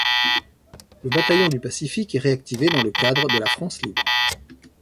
Le Bataillon du Pacifique est réactivé dans le cadre de la France libre.